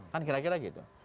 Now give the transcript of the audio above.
kan kira kira gitu